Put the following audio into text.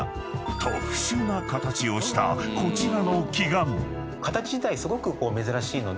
［特殊な形をしたこちらの］